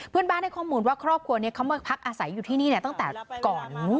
เพื่อนบ้านให้ข้อมูลว่าครอบครัวนี้เขามาพักอาศัยอยู่ที่นี่ตั้งแต่ก่อน